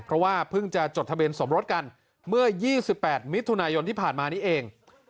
เพราะว่าเพิ่งจะจดทะเบียนสมรสกันเมื่อ๒๘มิถุนายนที่ผ่านมานี้เอง